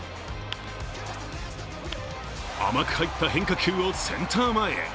甘く入った変化球をセンター前へ。